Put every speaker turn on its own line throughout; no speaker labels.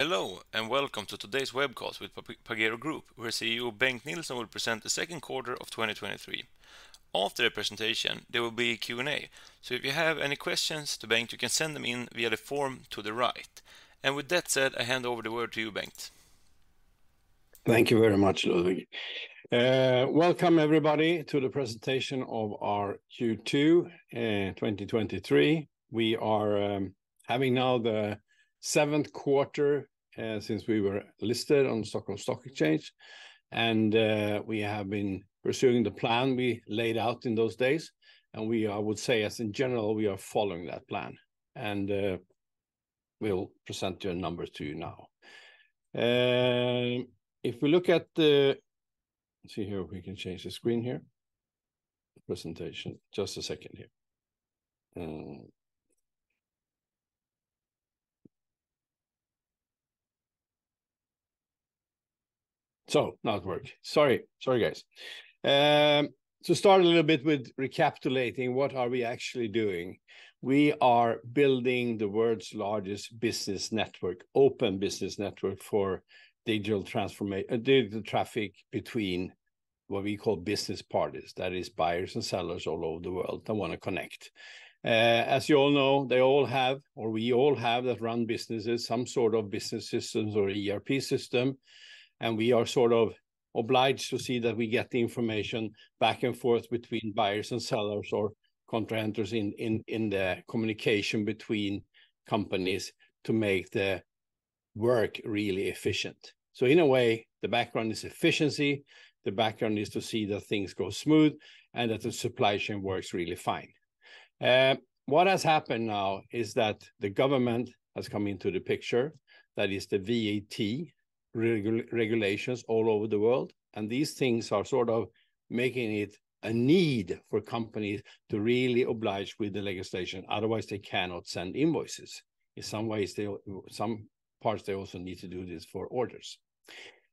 Hello, and Welcome to Today's Webcast with Pagero Group, where CEO Bengt Nilsson will present the Q2 of 2023. After the presentation, there will be a Q&A, so if you have any questions to Bengt, you can send them in via the form to the right. And with that said, I hand over the word to you, Bengt.
Thank you very much, Ludvig. Welcome, everybody, to the presentation of our Q2 2023. We are having now the Q7 since we were listed on Stockholm Stock Exchange, and we have been pursuing the plan we laid out in those days, and I would say, as in general, we are following that plan. We'll present your numbers to you now. If we look at the... Let's see here if we can change the screen here, the presentation. Just a second here. So not work. Sorry, sorry, guys. To start a little bit with recapitulating, what are we actually doing? We are building the world's largest business network, open business network for digital traffic between what we call business parties, that is buyers and sellers all over the world that wanna connect. As you all know, they all have, or we all have, that run businesses, some sort of business systems or ERP system, and we are sort of obliged to see that we get the information back and forth between buyers and sellers or contractors in the communication between companies to make the work really efficient. So in a way, the background is efficiency, the background is to see that things go smooth, and that the supply chain works really fine. What has happened now is that the government has come into the picture, that is the VAT regulations all over the world, and these things are sort of making it a need for companies to really oblige with the legislation, otherwise they cannot send invoices. In some ways, they... Some parts, they also need to do this for orders.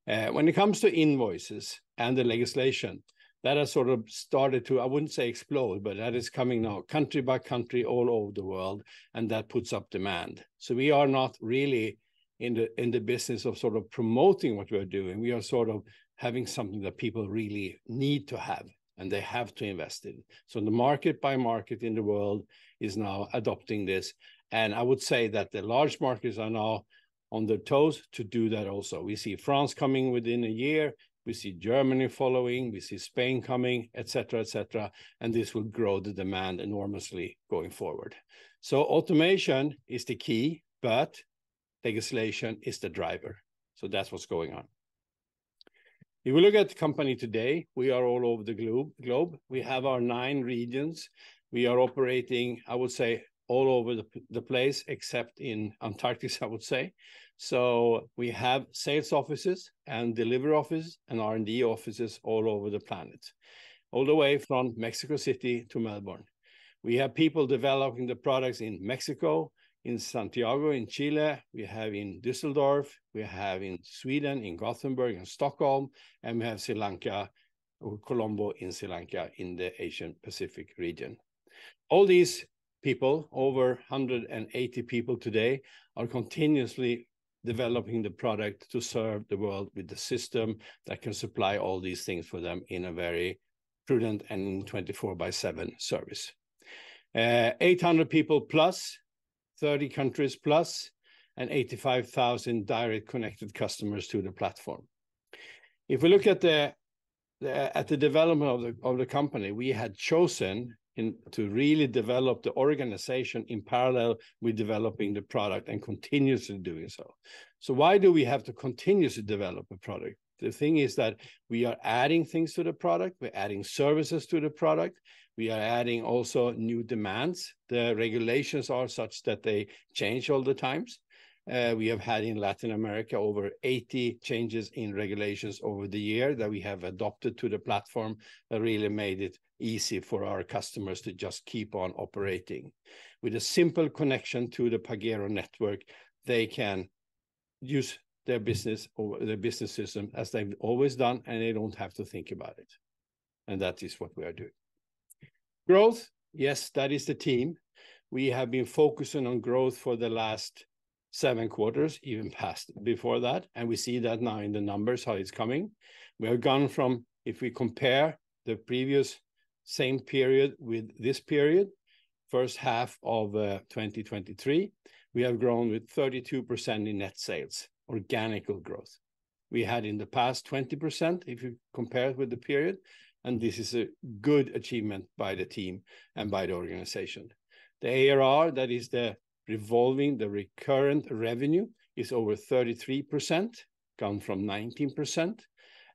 When it comes to invoices and the legislation, that has sort of started to, I wouldn't say explode, but that is coming now country by country, all over the world, and that puts up demand. So we are not really in the, in the business of sort of promoting what we are doing. We are sort of having something that people really need to have, and they have to invest in. So the market by market in the world is now adopting this, and I would say that the large markets are now on their toes to do that also. We see France coming within a year, we see Germany following, we see Spain coming, et cetera, et cetera, and this will grow the demand enormously going forward. So automation is the key, but legislation is the driver. So that's what's going on. If you look at the company today, we are all over the globe. We have our 9 regions. We are operating, I would say, all over the place, except in Antarctica, I would say. So we have sales offices and delivery offices and R&D offices all over the planet. All the way from Mexico City to Melbourne. We have people developing the products in Mexico, in Santiago, in Chile, we have in Düsseldorf, we have in Sweden, in Gothenburg and Stockholm, and we have Sri Lanka, or Colombo, in Sri Lanka, in the Asian Pacific region. All these people, over 180 people today, are continuously developing the product to serve the world with the system that can supply all these things for them in a very prudent and 24/7 service. 800 people plus, 30 countries plus, and 85,000 direct connected customers to the platform. If we look at the development of the company, we had chosen to really develop the organization in parallel with developing the product and continuously doing so. So why do we have to continuously develop a product? The thing is that we are adding things to the product, we're adding services to the product, we are adding also new demands. The regulations are such that they change all the times. We have had in Latin America over 80 changes in regulations over the year that we have adopted to the platform, that really made it easy for our customers to just keep on operating. With a simple connection to the Pagero Network, they can use their business or their business system as they've always done, and they don't have to think about it, and that is what we are doing. Growth, yes, that is the team. We have been focusing on growth for the last seven quarters, even past, before that, and we see that now in the numbers, how it's coming. We have gone from, if we compare the previous same period with this period, first half of 2023, we have grown with 32% in net sales, organic growth. We had in the past 20%, if you compare it with the period, and this is a good achievement by the team and by the organization. The ARR, that is the recurring, the recurring revenue, is over 33%, come from 19%,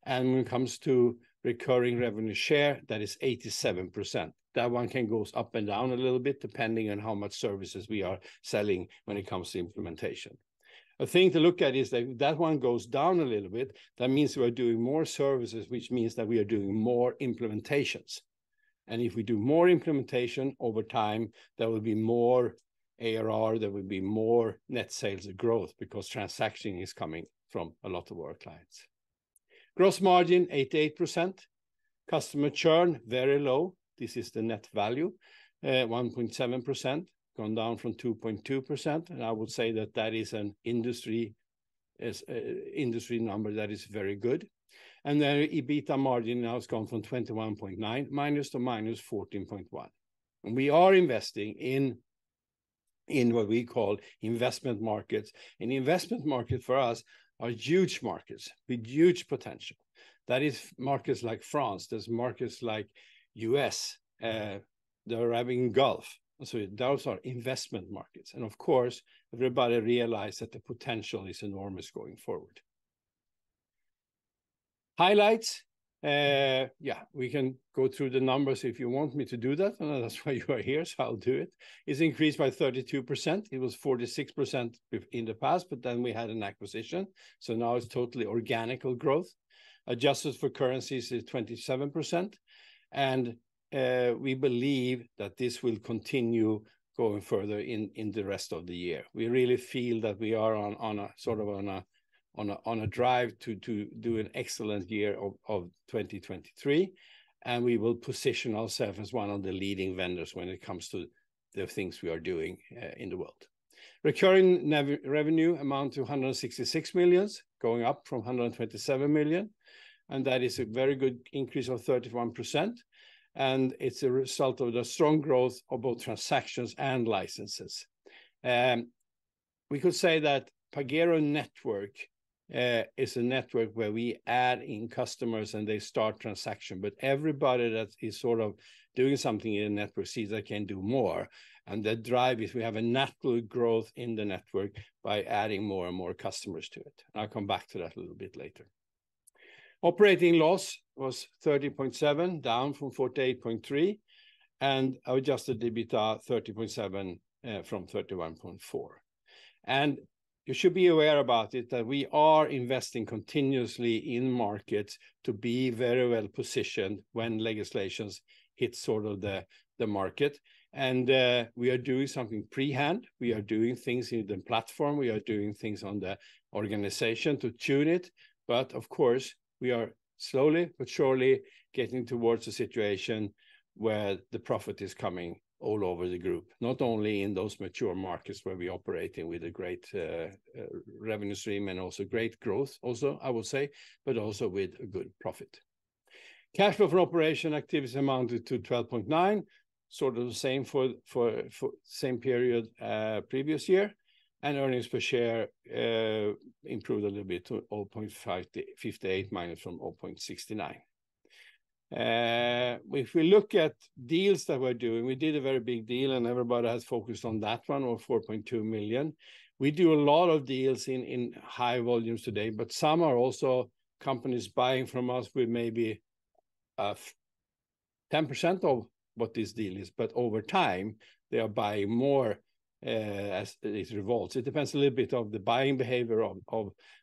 and when it comes to recurring revenue share, that is 87%. That one can goes up and down a little bit, depending on how much services we are selling when it comes to implementation. The thing to look at is that, that one goes down a little bit, that means we are doing more services, which means that we are doing more implementations. And if we do more implementation over time, there will be more ARR, there will be more net sales growth, because transaction is coming from a lot of our clients... Gross margin, 88%. Customer churn, very low. This is the net value, 1.7%, gone down from 2.2%, and I would say that that is an industry, is a industry number that is very good. And then EBITDA margin now has gone from -21.9% to -14.1%. And we are investing in, in what we call investment markets. And investment market for us are huge markets with huge potential. That is markets like France, there are markets like U.S., the Arabian Gulf. So those are investment markets. And of course, everybody realize that the potential is enormous going forward. Highlights. Yeah, we can go through the numbers if you want me to do that. And that's why you are here, so I'll do it. It's increased by 32%. It was 46% within the past, but then we had an acquisition, so now it's totally organic growth. Adjusted for currencies is 27%, and we believe that this will continue going further in the rest of the year. We really feel that we are on a sort of drive to do an excellent year of 2023, and we will position ourselves as one of the leading vendors when it comes to the things we are doing in the world. Recurring revenue amount to 166 million, going up from 127 million, and that is a very good increase of 31%, and it's a result of the strong growth of both transactions and licenses. We could say that Pagero Network, uh, is a network where we add in customers, and they start transaction. But everybody that is sort of doing something in the network sees they can do more, and that drive is we have a natural growth in the network by adding more and more customers to it. I'll come back to that a little bit later. Operating loss was 13.7, down from 48.3, and adjusted EBITDA, 30.7, uh, from 31.4. You should be aware about it, that we are investing continuously in markets to be very well-positioned when legislations hit sort of the, the market. And, uh, we are doing something pre-hand. We are doing things in the platform. We are doing things on the organization to tune it, but of course, we are slowly but surely getting towards a situation where the profit is coming all over the group, not only in those mature markets where we operating with a great revenue stream and also great growth also, I would say, but also with a good profit. Cash flow from operation activities amounted to 12.9, sort of the same for the same period previous year, and earnings per share improved a little bit to -0.58 from -0.69. If we look at deals that we're doing, we did a very big deal, and everybody has focused on that one, of 4.2 million. We do a lot of deals in high volumes today, but some are also companies buying from us with maybe 10% of what this deal is, but over time, they are buying more as it evolves. It depends a little bit of the buying behavior of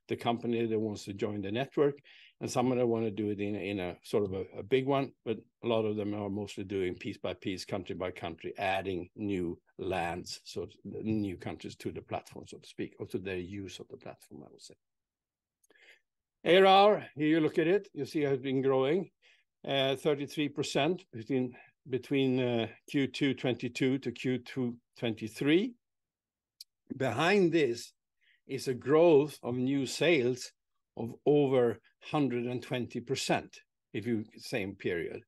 the company that wants to join the network, and some of them wanna do it in a sort of a big one, but a lot of them are mostly doing piece by piece, country by country, adding new lands, so new countries to the platform, so to speak, or to their use of the platform, I would say. ARR, here you look at it, you see it has been growing 33% between Q2 2022-Q2 2023. Behind this is a growth of new sales of over 120%, in the same period.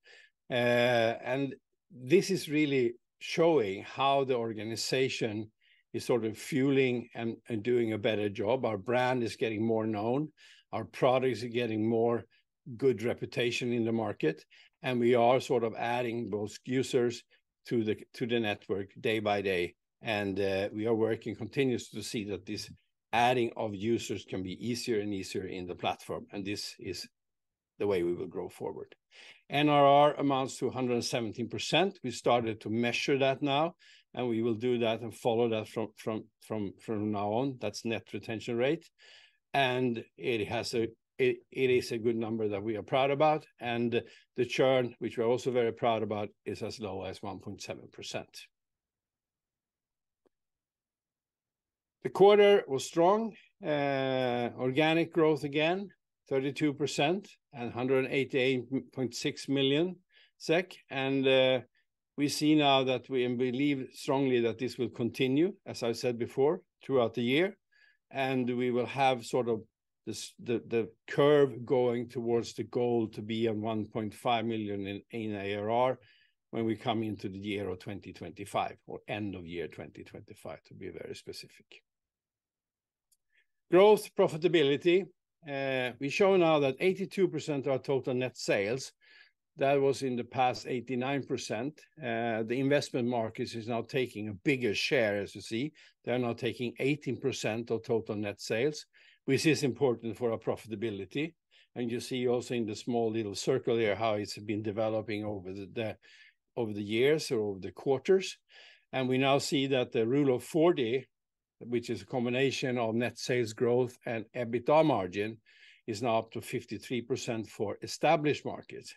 This is really showing how the organization is sort of fueling and doing a better job. Our brand is getting more known. Our products are getting more good reputation in the market, and we are sort of adding both users to the network day by day. We are working continuously to see that this adding of users can be easier and easier in the platform, and this is the way we will grow forward. NRR amounts to 117%. We started to measure that now, and we will do that and follow that from now on. That's net retention rate, and it has a... It is a good number that we are proud about, and the churn, which we are also very proud about, is as low as 1.7%. The quarter was strong. Organic growth, again, 32% and SEK 188.6 million. We see now that we and believe strongly that this will continue, as I said before, throughout the year, and we will have sort of this, the curve going towards the goal to be 1.5 million in ARR when we come into the year of 2025, or end of year 2025, to be very specific. Growth, profitability. We show now that 82% of our total net sales, that was in the past 89%. The investment markets is now taking a bigger share, as you see. They're now taking 18% of total net sales, which is important for our profitability. And you see also in the small little circle there, how it's been developing over the years or over the quarters. And we now see that the Rule of 40, which is a combination of net sales growth and EBITDA margin, is now up to 53% for established markets.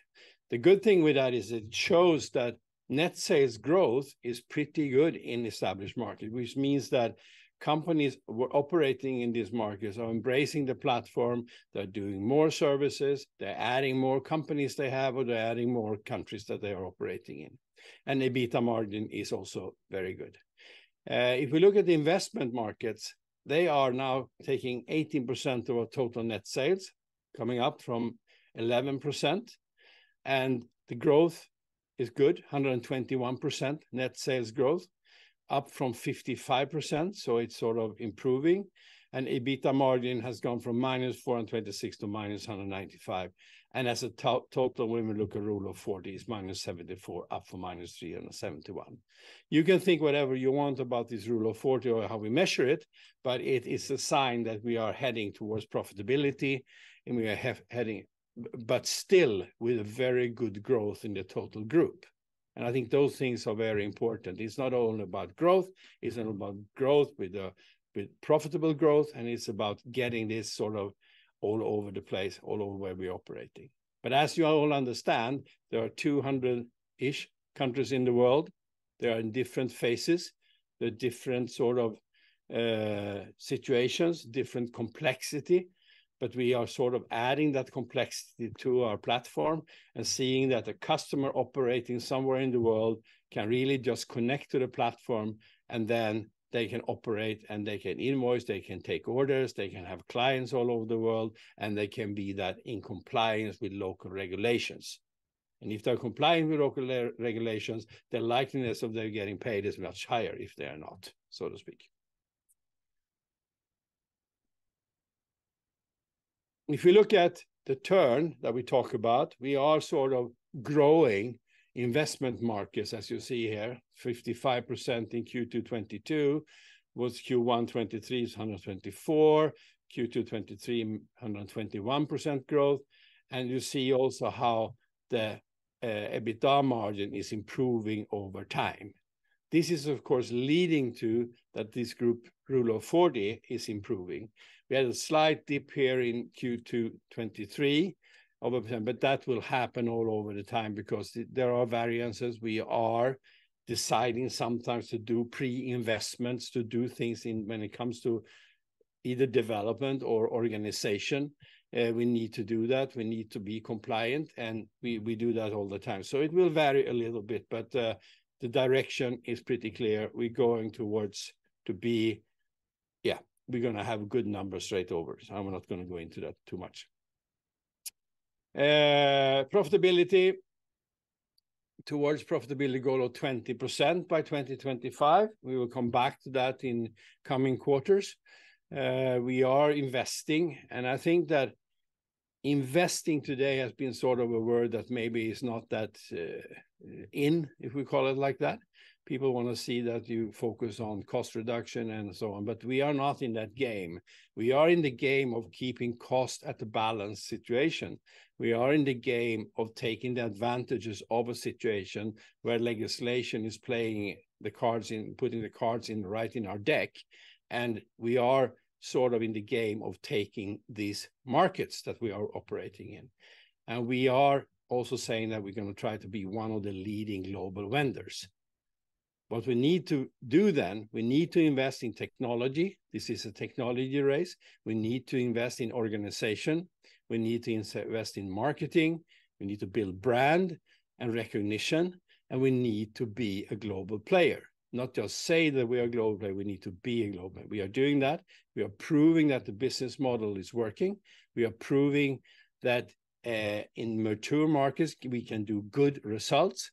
The good thing with that is it shows that net sales growth is pretty good in established market, which means that companies who are operating in these markets are embracing the platform, they're doing more services, they're adding more companies they have, or they're adding more countries that they are operating in. And EBITDA margin is also very good. If we look at the investment markets, they are now taking 18% of our total net sales, coming up from 11%, and the growth is good, 121% net sales growth, up from 55%, so it's sort of improving. EBITDA margin has gone from -426 to -195. As a total, when we look at Rule of 40, it's -74, up from -371. You can think whatever you want about this Rule of 40 or how we measure it, but it is a sign that we are heading towards profitability, and we are heading. Still, with a very good growth in the total group. I think those things are very important. It's not only about growth, it's about growth with profitable growth, and it's about getting this sort of all over the place, all over where we're operating. But as you all understand, there are 200-ish countries in the world. They are in different phases. They're different sort of situations, different complexity, but we are sort of adding that complexity to our platform and seeing that the customer operating somewhere in the world can really just connect to the platform, and then they can operate and they can invoice, they can take orders, they can have clients all over the world, and they can be that in compliance with local regulations. And if they're complying with local regulations, the likeliness of their getting paid is much higher, if they're not, so to speak. If you look at the turn that we talk about, we are sort of growing investment markets, as you see here, 55% in Q2 2022, was Q1 2023 is 124, Q2 2023, 121% growth. And you see also how the EBITDA margin is improving over time. This is, of course, leading to that this group, Rule of 40, is improving. We had a slight dip here in Q2 2023 of... But that will happen all over the time because there are variances. We are deciding sometimes to do pre-investments, to do things in when it comes to either development or organization. We need to do that. We need to be compliant, and we do that all the time. So it will vary a little bit, but, the direction is pretty clear. We're going towards to be... Yeah, we're gonna have good numbers straight over, so I'm not gonna go into that too much. Profitability, towards profitability goal of 20% by 2025. We will come back to that in coming quarters. We are investing, and I think that investing today has been sort of a word that maybe is not that, in, if we call it like that. People wanna see that you focus on cost reduction and so on, but we are not in that game. We are in the game of keeping costs at a balanced situation. We are in the game of taking the advantages of a situation where legislation is playing the cards in- putting the cards in right in our deck, and we are sort of in the game of taking these markets that we are operating in. We are also saying that we're gonna try to be one of the leading global vendors. What we need to do then, we need to invest in technology. This is a technology race. We need to invest in organization, we need to invest in marketing, we need to build brand and recognition, and we need to be a global player. Not just say that we are a global player, we need to be a global player. We are doing that. We are proving that the business model is working. We are proving that in mature markets, we can do good results,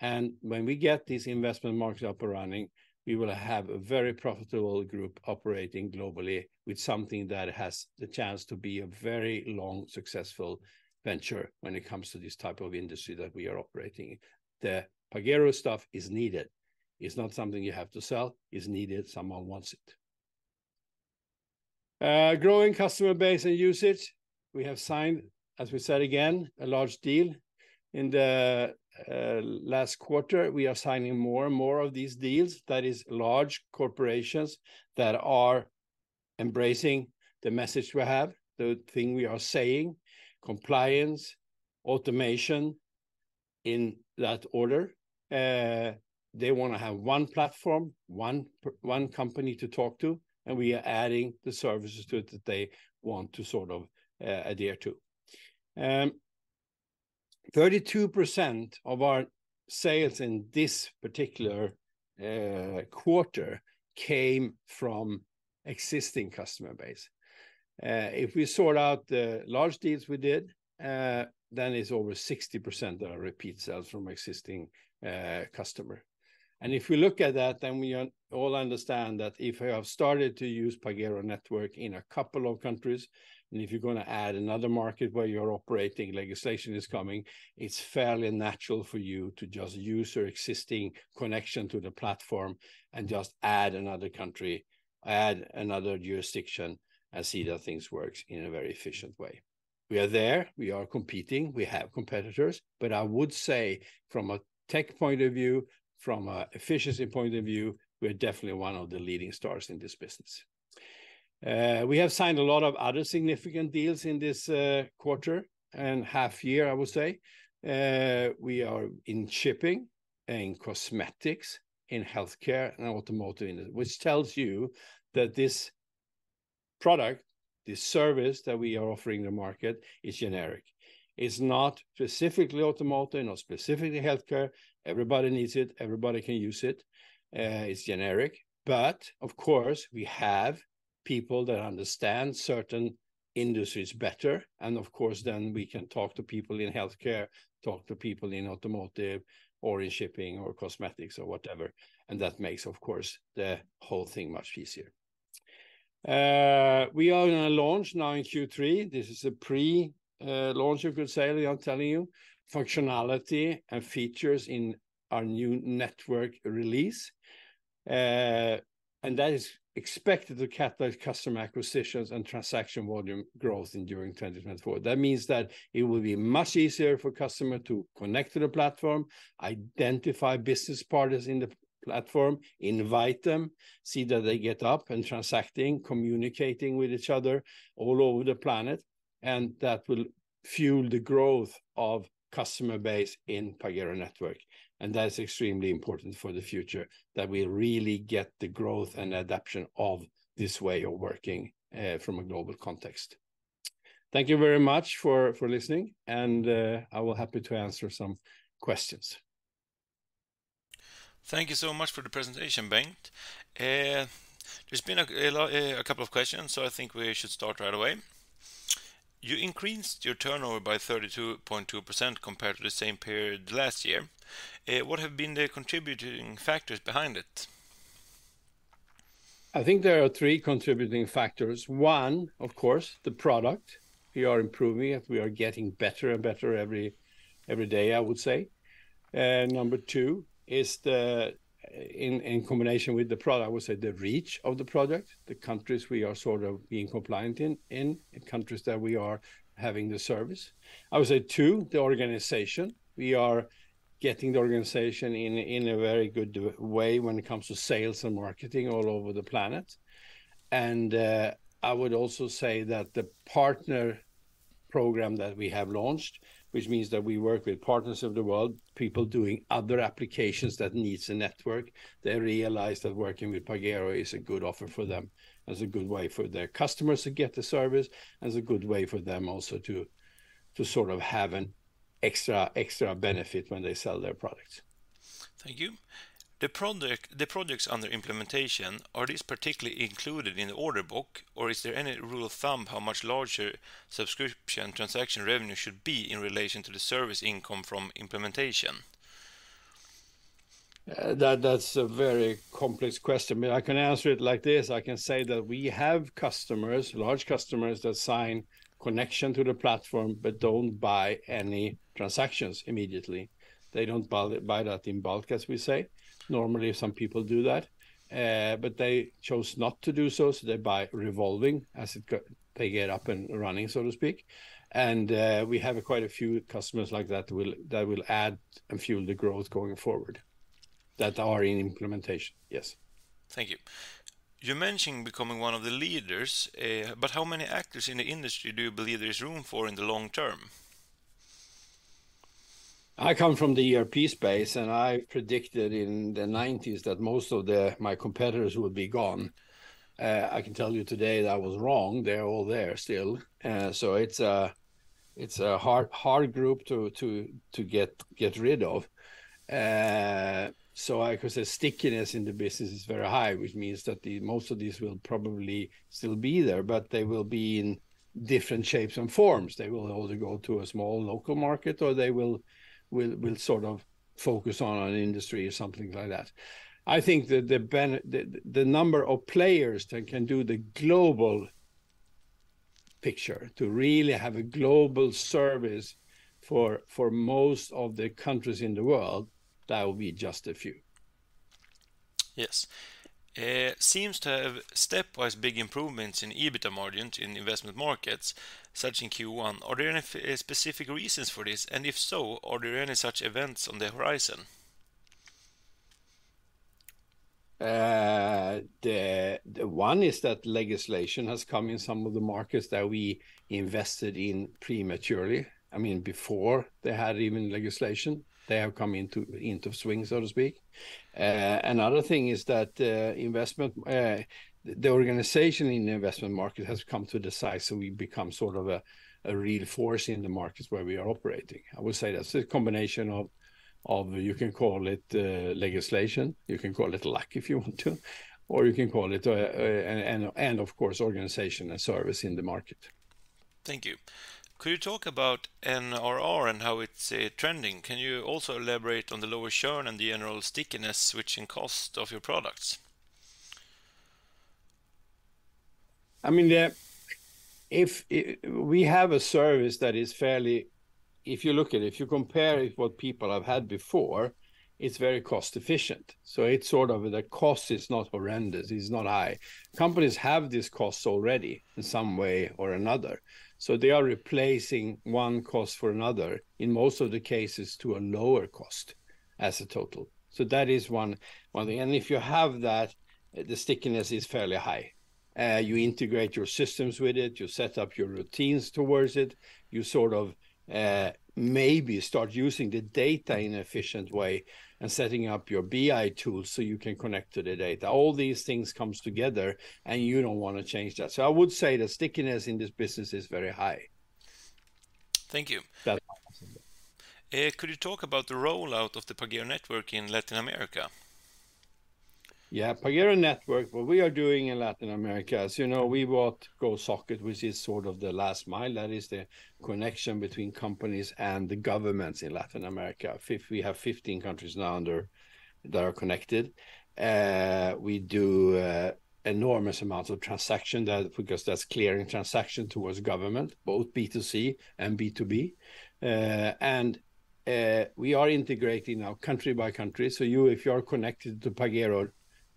and when we get these investment markets up and running, we will have a very profitable group operating globally with something that has the chance to be a very long, successful venture when it comes to this type of industry that we are operating in. The Pagero stuff is needed. It's not something you have to sell, it's needed, someone wants it. Growing customer base and usage, we have signed, as we said again, a large deal in the last quarter. We are signing more and more of these deals. That is, large corporations that are embracing the message we have, the thing we are saying, compliance, automation, in that order. They wanna have one platform, one company to talk to, and we are adding the services to it that they want to sort of adhere to. 32% of our sales in this particular quarter came from existing customer base. If we sort out the large deals we did, then it's over 60% of repeat sales from existing customer. If we look at that, then we all understand that if you have started to use Pagero Network in a couple of countries, and if you're gonna add another market where you're operating, legislation is coming, it's fairly natural for you to just use your existing connection to the platform and just add another country, add another jurisdiction, and see that things works in a very efficient way... We are there, we are competing, we have competitors. But I would say from a tech point of view, from a efficiency point of view, we're definitely one of the leading stars in this business. We have signed a lot of other significant deals in this quarter and half year, I would say. We are in shipping and cosmetics, in healthcare, and automotive industry, which tells you that this product, this service that we are offering the market, is generic. It's not specifically automotive, not specifically healthcare. Everybody needs it, everybody can use it, it's generic. But of course, we have people that understand certain industries better, and of course, then we can talk to people in healthcare, talk to people in automotive, or in shipping, or cosmetics, or whatever, and that makes, of course, the whole thing much easier. We are gonna launch now in Q3. This is a pre, launch, you could say, I'm telling you, functionality and features in our new network release. And that is expected to catalyze customer acquisitions and transaction volume growth in during 2024. That means that it will be much easier for customer to connect to the platform, identify business partners in the platform, invite them, see that they get up and transacting, communicating with each other all over the planet, and that will fuel the growth of customer base in Pagero Network. That is extremely important for the future, that we really get the growth and adoption of this way of working from a global context. Thank you very much for listening, and I will be happy to answer some questions.
Thank you so much for the presentation, Bengt. There's been a lot, a couple of questions, so I think we should start right away. You increased your turnover by 32.2% compared to the same period last year. What have been the contributing factors behind it?
I think there are three contributing factors. One, of course, the product. We are improving it. We are getting better and better every day, I would say. Number two is the, in combination with the product, I would say the reach of the product, the countries we are sort of being compliant in, the countries that we are having the service. I would say, two, the organization. We are getting the organization in a very good way when it comes to sales and marketing all over the planet. I would also say that the partner program that we have launched, which means that we work with partners of the world, people doing other applications that needs a network, they realize that working with Pagero is a good offer for them, as a good way for their customers to get the service, as a good way for them also to sort of have an extra benefit when they sell their products.
Thank you. The project, the projects under implementation, are these particularly included in the order book, or is there any rule of thumb how much larger subscription transaction revenue should be in relation to the service income from implementation?
That’s a very complex question, but I can answer it like this: I can say that we have customers, large customers, that sign connection to the platform, but don't buy any transactions immediately. They don't buy that in bulk, as we say. Normally, some people do that, but they chose not to do so, so they buy revolving as they get up and running, so to speak. And we have quite a few customers like that that will add and fuel the growth going forward, that are in implementation. Yes.
Thank you. You're mentioning becoming one of the leaders, but how many actors in the industry do you believe there is room for in the long term?
I come from the ERP space, and I predicted in the 1990s that most of my competitors would be gone. I can tell you today that I was wrong. They're all there still. So it's a hard group to get rid of. So I could say stickiness in the business is very high, which means that most of these will probably still be there, but they will be in different shapes and forms. They will either go to a small local market or they will sort of focus on an industry or something like that. I think that the number of players that can do the global picture, to really have a global service for most of the countries in the world, that will be just a few.
Yes. Seems to have stepwise big improvements in EBITDA margins in investment markets, such in Q1. Are there any specific reasons for this, and if so, are there any such events on the horizon?
The one is that legislation has come in some of the markets that we invested in prematurely, I mean, before they had even legislation. They have come into swing, so to speak. Another thing is that the organization in the investment market has come to decide, so we've become sort of a real force in the markets where we are operating. I would say that's a combination of you can call it legislation, you can call it luck, if you want to, or you can call it and of course, organization and service in the market.
Thank you. Could you talk about NRR and how it's trending? Can you also elaborate on the lower churn and the general stickiness, switching cost of your products?
I mean, if we have a service that is fairly. If you look at it, if you compare it what people have had before, it's very cost efficient. So it's sort of the cost is not horrendous, it's not high. Companies have these costs already in some way or another, so they are replacing one cost for another, in most of the cases, to a lower cost as a total. So that is one, one thing. And if you have that, the stickiness is fairly high. You integrate your systems with it, you set up your routines towards it, you sort of, maybe start using the data in an efficient way and setting up your BI tools so you can connect to the data. All these things comes together, and you don't wanna change that. I would say the stickiness in this business is very high.
Thank you.
Yeah.
Could you talk about the rollout of the Pagero Network in Latin America?
Yeah, Pagero Network, what we are doing in Latin America, as you know, we bought Gosocket, which is sort of the last mile. That is the connection between companies and the governments in Latin America. We have 15 countries now under, that are connected. We do enormous amounts of transaction that, because that's clearing transaction towards government, both B2C and B2B. We are integrating now country by country. So you, if you are connected to Pagero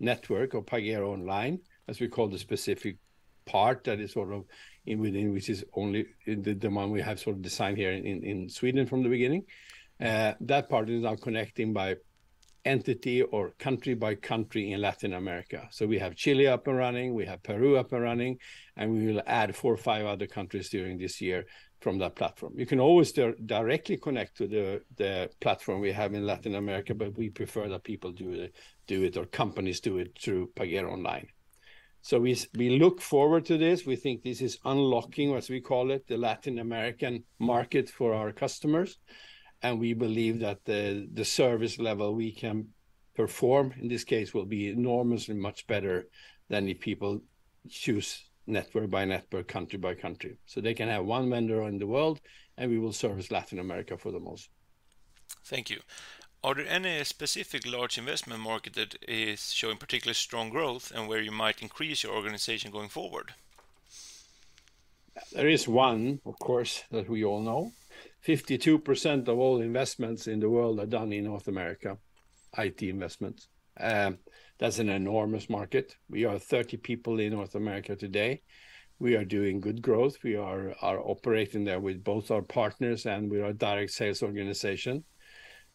Network or Pagero Online, as we call the specific part that is sort of in within, which is only the one we have sort of designed here in Sweden from the beginning, that part is now connecting by entity or country by country in Latin America. So we have Chile up and running, we have Peru up and running, and we will add four or five other countries during this year from that platform. You can always directly connect to the platform we have in Latin America, but we prefer that people do it or companies do it through Pagero Online. So we look forward to this. We think this is unlocking, what we call it, the Latin American market for our customers, and we believe that the service level we can perform in this case will be enormously much better than if people choose network by network, country by country. So they can have one vendor in the world, and we will service Latin America for the most.
Thank you. Are there any specific large investment market that is showing particularly strong growth and where you might increase your organization going forward?
There is one, of course, that we all know. 52% of all investments in the world are done in North America, IT investments. That's an enormous market. We are 30 people in North America today. We are doing good growth. We are operating there with both our partners and with our direct sales organization.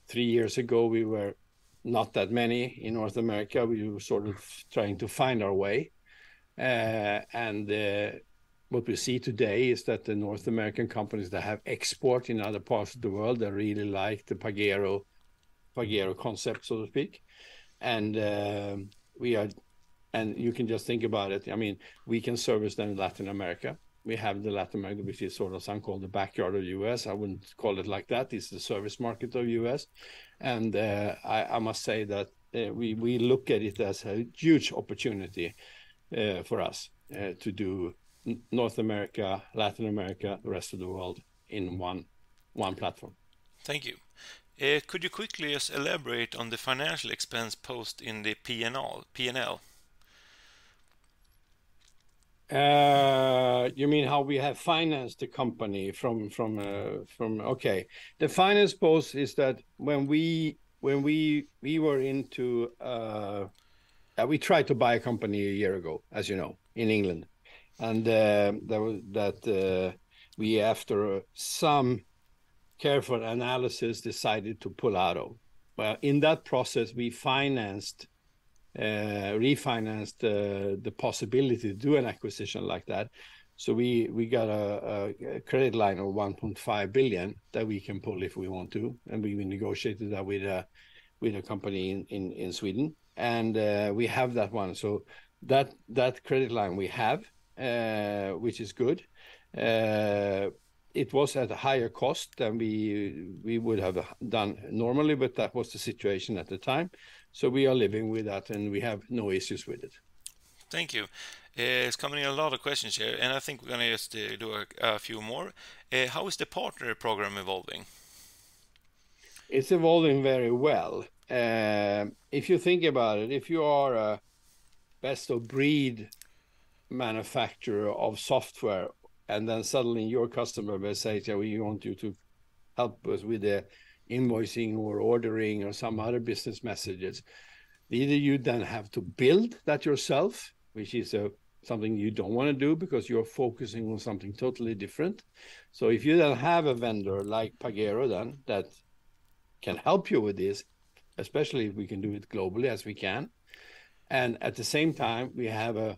3 years ago, we were not that many in North America. We were sort of trying to find our way. What we see today is that the North American companies that have export in other parts of the world, they really like the Pagero, Pagero concept, so to speak. We are and you can just think about it, I mean, we can service them in Latin America. We have the Latin America, which is sort of some call the backyard of U.S. I wouldn't call it like that. It's the service market of U.S. I must say that we look at it as a huge opportunity for us to do North America, Latin America, the rest of the world in one platform.
Thank you. Could you quickly just elaborate on the financial expense post in the P&L, P&L?
You mean how we have financed the company from... Okay, the finance post is that when we, when we, we were into, we tried to buy a company a year ago, as you know, in England, and there was that, we, after some careful analysis, decided to pull out of. Well, in that process, we financed, refinanced, the possibility to do an acquisition like that. So we got a credit line of 1.5 billion that we can pull if we want to, and we negotiated that with a company in Sweden, and we have that one. So that credit line we have, which is good. It was at a higher cost than we would have done normally, but that was the situation at the time, so we are living with that, and we have no issues with it.
Thank you. It's coming in a lot of questions here, and I think we're gonna just do a few more. How is the partner program evolving?
It's evolving very well. If you think about it, if you are a best-of-breed manufacturer of software, and then suddenly your customer will say to you, "We want you to help us with the invoicing or ordering or some other business messages," either you then have to build that yourself, which is, something you don't wanna do because you're focusing on something totally different. So if you don't have a vendor like Pagero, then that can help you with this, especially if we can do it globally, as we can, and at the same time, we have a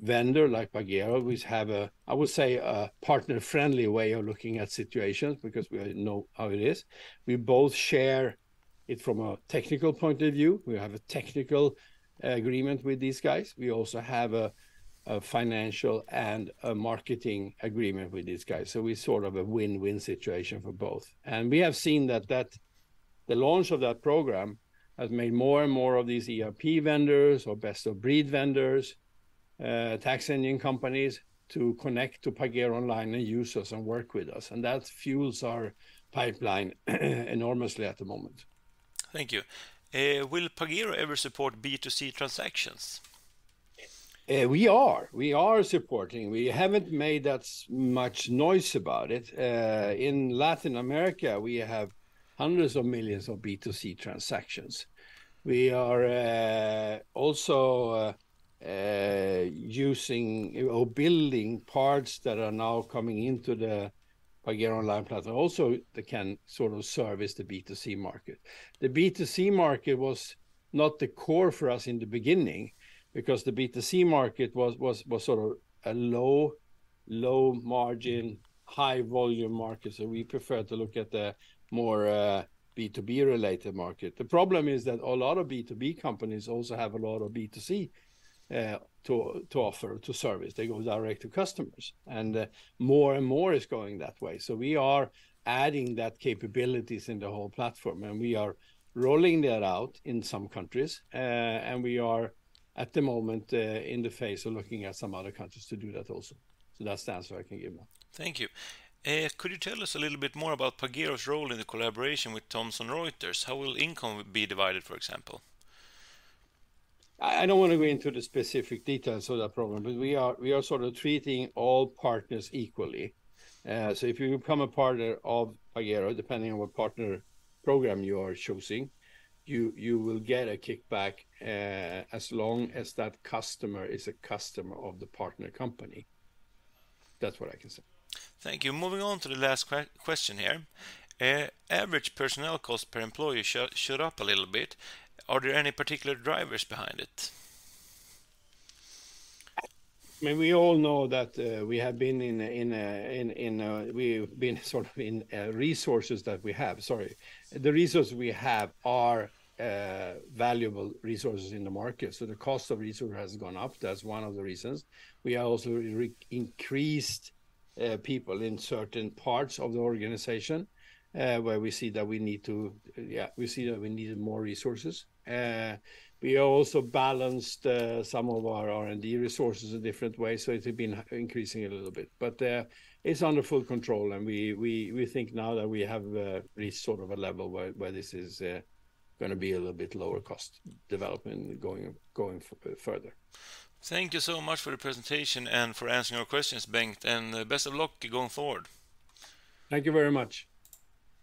vendor like Pagero, which have a, I would say, a partner-friendly way of looking at situations because we know how it is. We both share it from a technical point of view. We have a technical agreement with these guys. We also have a financial and a marketing agreement with these guys, so we sort of a win-win situation for both. And we have seen that the launch of that program has made more and more of these ERP vendors or best-of-breed vendors, tax engine companies, to connect to Pagero Online and use us and work with us, and that fuels our pipeline enormously at the moment.
Thank you. Will Pagero ever support B2C transactions?
We are supporting. We haven't made that so much noise about it. In Latin America, we have hundreds of millions of B2C transactions. We are also using or building parts that are now coming into the Pagero Online platform, also, that can sort of service the B2C market. The B2C market was not the core for us in the beginning, because the B2C market was sort of a low margin, high volume market, so we preferred to look at the more B2B-related market. The problem is that a lot of B2B companies also have a lot of B2C to offer, to service. They go direct to customers, and more and more is going that way. So we are adding that capabilities in the whole platform, and we are rolling that out in some countries, and we are, at the moment, in the phase of looking at some other countries to do that also. So that's the answer I can give now.
Thank you. Could you tell us a little bit more about Pagero's role in the collaboration with Thomson Reuters? How will income be divided, for example?
I don't wanna go into the specific details of that program, but we are sort of treating all partners equally. So if you become a partner of Pagero, depending on what partner program you are choosing, you will get a kickback, as long as that customer is a customer of the partner company. That's what I can say.
Thank you. Moving on to the last question here. Average personnel cost per employee shot up a little bit. Are there any particular drivers behind it?
I mean, we all know that we have been in a. We've been sort of in resources that we have. Sorry. The resources we have are valuable resources in the market, so the cost of resource has gone up. That's one of the reasons. We have also increased people in certain parts of the organization where we see that we need to. Yeah, we see that we need more resources. We also balanced some of our R&D resources a different way, so it's been increasing a little bit. But it's under full control, and we think now that we have reached sort of a level where this is gonna be a little bit lower cost development going further.
Thank you so much for the presentation and for answering our questions, Bengt, and best of luck going forward.
Thank you very much.